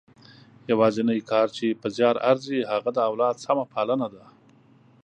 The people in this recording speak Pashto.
یوازنۍ کار چې په زیار ارزي هغه د اولاد سمه پالنه ده.